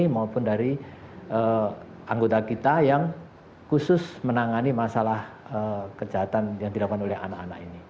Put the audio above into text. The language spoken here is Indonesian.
maupun dari anggota kita yang khusus menangani masalah kejahatan yang dilakukan oleh anak anak ini